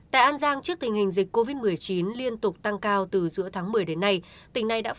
tại an giang trước tình hình dịch covid một mươi chín liên tục tăng cao từ giữa tháng một mươi đến nay